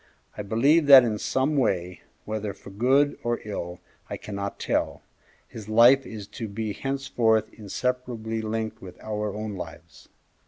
I believe that in some way, whether for good or ill I cannot tell, his life is to be henceforth inseparably linked with our own lives.